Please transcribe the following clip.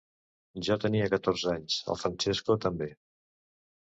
Jo tenia catorze anys, el Francesco també.